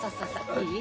いい？